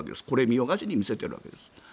これ見よがしに見せているわけです。